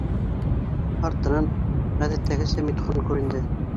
Артынан ғәҙәттәгесә Митхун күренде.